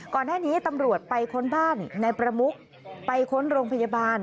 ก่อนหน้านี้ตำรวจไปค้นบ้านนายประมุกไปค้นโรงพยาบาล